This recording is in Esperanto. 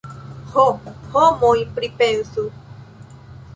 Ho, homoj, pripensu!